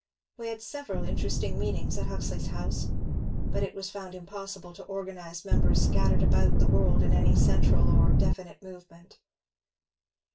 We had several interesting meetings at Huxley's house, but it was found impossible to organize members scattered about the world in any central or definite movement.